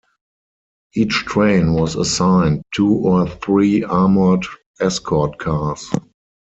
Each train was assigned two or three armored escort cars.